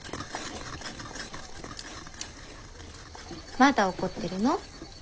まだ怒ってるの？